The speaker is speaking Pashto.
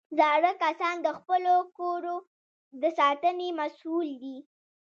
زاړه کسان د خپلو کورو د ساتنې مسؤل دي